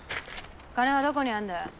金はどこにあんだよ。